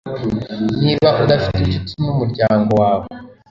niba udafite inshuti n'umuryango wawe